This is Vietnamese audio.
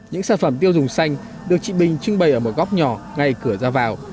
những sản phẩm tiêu dùng xanh được chị bình trưng bày ở một góc nhỏ ngay cửa ra vào